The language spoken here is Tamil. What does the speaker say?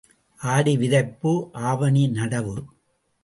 ஆடி விதைப்பு, ஆவணி நடவு.